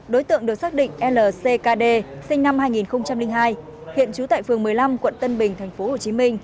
đối tượng được xác định lckd sinh năm hai nghìn hai hiện trú tại phường một mươi năm quận tân bình tp hcm